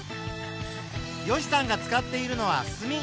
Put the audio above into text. よしさんが使っているのはすみ。